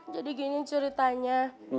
jadi gini ceritanya